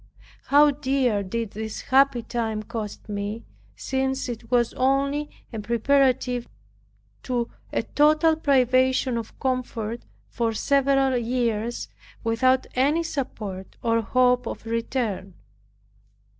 How dear did this happy time cost me, since it was only a preparative to a total privation of comfort for several years, without any support, or hope of return!